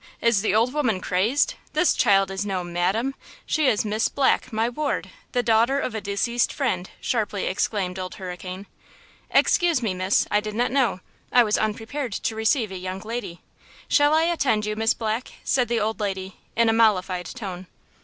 Is the old woman crazed? This child is no 'madam.' She is Miss Black, my ward, the daughter of a deceased friend," sharply exclaimed Old Hurricane. "Excuse me, miss; I did not know; I was unprepared to receive a young lady. Shall I attend you, Miss Black?" said the old lady, in a mollified tone.